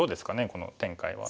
この展開は。